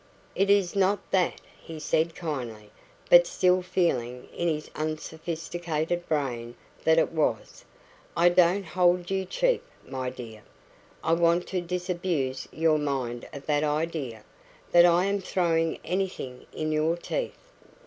"It is not that," he said kindly, but still feeling in his unsophisticated brain that it was. "I don't hold you cheap, my dear. I want to disabuse your mind of that idea, that I am throwing anything in your teeth.